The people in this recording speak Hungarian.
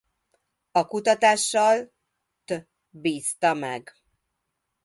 A kutatással t bízta meg.